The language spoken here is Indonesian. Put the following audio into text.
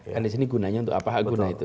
dan disini gunanya untuk apa